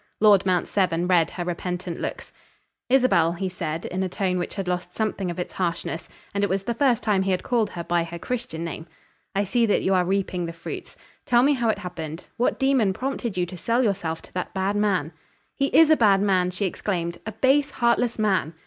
Lord Mount Severn read her repentant looks. "Isabel," he said, in a tone which had lost something of its harshness, and it was the first time he had called her by her Christian name, "I see that you are reaping the fruits. Tell me how it happened. What demon prompted you to sell yourself to that bad man?" "He is a bad man!" she exclaimed. "A base, heartless man!"